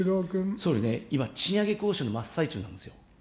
総理ね、今、賃上げ交渉の真っ最中なんですよ。